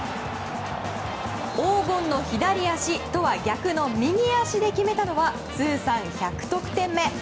黄金の左足とは逆の右足で決めたのは通算１００得点目。